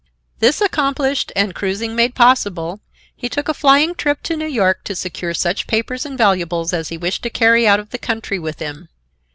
This accomplished and cruising made possible, he took a flying trip to New York to secure such papers and valuables as he wished to carry out of the country with him.